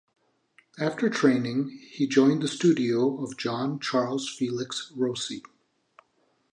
After training he joined the studio of John Charles Felix Rossi.